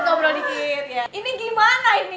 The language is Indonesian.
kabro dikit kabro dikit